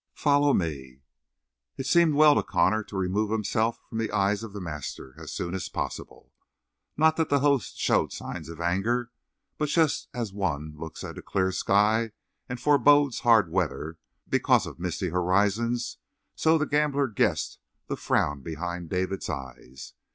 "Follow me." It seemed well to Connor to remove himself from the eye of the master as soon as possible. Not that the host showed signs of anger, but just as one looks at a clear sky and forebodes hard weather because of misty horizons, so the gambler guessed the frown behind David's eyes.